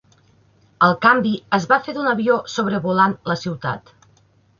El canvi es va fer d'un avió sobrevolant la ciutat.